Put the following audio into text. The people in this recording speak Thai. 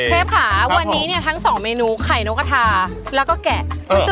เชฟค่ะวันนี้เนี่ยทั้งสองเมนูไข่นกกระทาแล้วก็แกะ